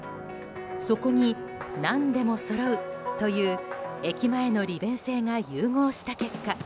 そこに、何でもそろうという駅前の利便性が融合した結果